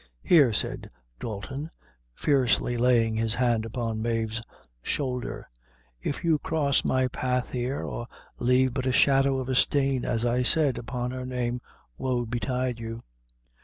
"Here," said Dalton, fiercely, laying his hand upon Mave's shoulder, "if you cross my path here or lave but a shadow of a stain, as I said, upon her name, woe betide you!"